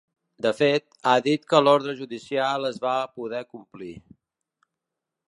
De fet, ha dit que l’ordre judicial es va poder complir.